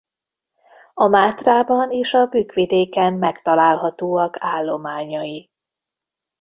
A Mátrában és a Bükk-vidéken megtalálhatóak állományai.